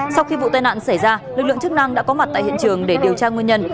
sau khi vụ tai nạn xảy ra lực lượng chức năng đã có mặt tại hiện trường để điều tra nguyên nhân